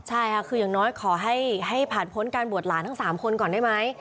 ใช่ค่ะคืออย่างน้อยขอให้ผ่านพ้นการบวชหลานทั้ง๓คนก่อนได้ไหม